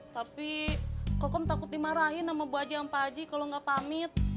tapi kok kamu takut dimarahin sama bu haji sama pak haji kalau gak pamit